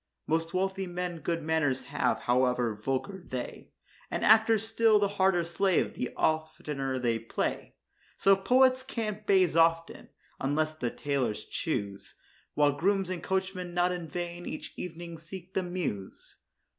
Most wealthy men good manors have, however vulgar they; And actors still the harder slave the oftener they play. So poets can't the baize obtain, unless their tailors choose; While grooms and coachmen not in vain each evening seek the Mews.